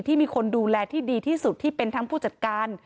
ที่มีคนดูแลที่ดีที่สุดที่เป็นทั้งผู้จัดการ